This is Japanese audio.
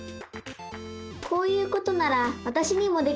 こういうことならわたしにもできそう！